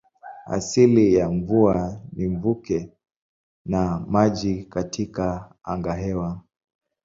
Asili ya mvua ni mvuke wa maji katika angahewa.